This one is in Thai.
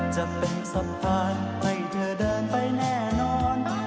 จะเป็นสะพานให้เธอเดินไปแน่นอน